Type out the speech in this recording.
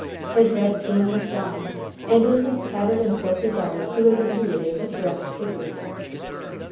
His red plume was flying, and in his tattered and filthy garb he was indeed a picturesque figure.